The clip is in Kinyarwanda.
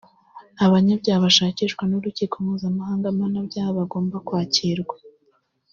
nta banyabyaha bashakishwa n’urukiko mpuzamahanga mpanabyaha bagomba kwakirwa